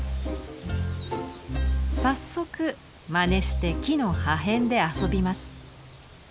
早速まねして木の破片で遊びます。